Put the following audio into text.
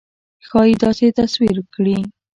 ښایي داسې تصویر کړي.